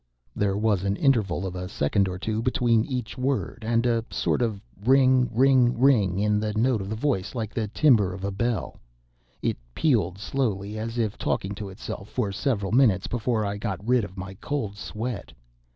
There was an interval of a second or two between each word, and a sort of "ring, ring, ring," in the note of the voice like the timbre of a bell. It pealed slowly, as if talking to itself, for several minutes before I got rid of my cold sweat.